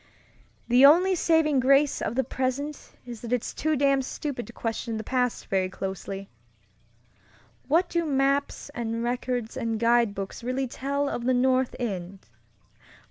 "The only saving grace of the present is that it's too damned stupid to question the past very closely. What do maps and records and guidebooks really tell of the North End?